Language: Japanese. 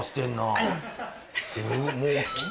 ありがとうございます。